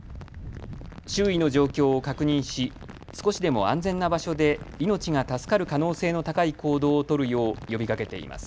周囲の状況を確認し少しでも安全な場所で命が助かる可能性の高い行動を取るよう呼びかけています。